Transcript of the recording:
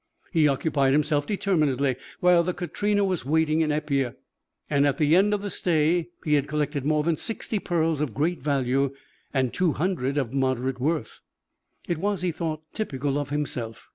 He occupied himself determinedly while the Katrina was waiting in Apia, and at the end of the stay he had collected more than sixty pearls of great value and two hundred of moderate worth. It was, he thought, typical of himself.